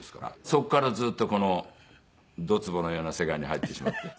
そこからずっとこのどつぼのような世界に入ってしまって。